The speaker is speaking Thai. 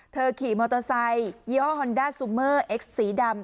ขี่มอเตอร์ไซค์ยี่ห้อฮอนด้าซูเมอร์เอ็กซ์สีดำ